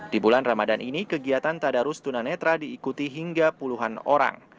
di bulan ramadan ini kegiatan tadarus tunanetra diikuti hingga puluhan orang